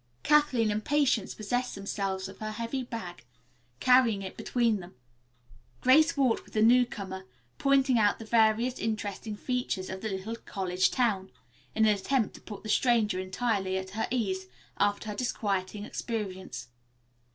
Kathleen and Patience possessed themselves of her heavy bag, carrying it between them. Grace walked with the newcomer, pointing out the various interesting features of the little college town, in an attempt to put the stranger entirely at her ease after her disquieting experience.